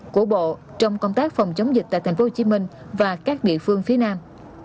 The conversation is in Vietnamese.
của bộ trong công tác phòng chống dịch tại tp hcm và các địa phương phía nam